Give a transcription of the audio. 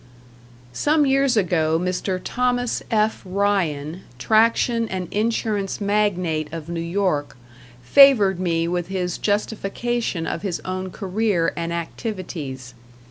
Some years ago Mr. Thomas F. Ryan, traction and insurance magnate of New York, favored me with his justification of his own career and activities.